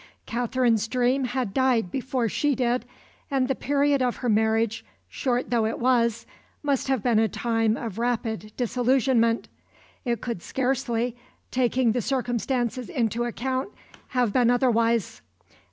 Katherine's dream had died before she did, and the period of her marriage, short though it was, must have been a time of rapid disillusionment. It could scarcely, taking the circumstances into account, have been otherwise.